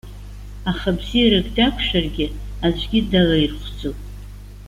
Аха бзиарак дақәшәаргьы, аӡәгьы далаирхәӡом.